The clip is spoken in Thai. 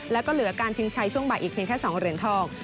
แล้วก็เหลือการชิงชัยช่วงบ่ายอีกเพียงแค่๒เหรียญทอง